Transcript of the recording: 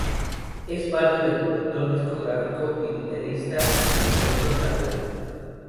Es padre del productor discográfico y letrista Alberto Salerno.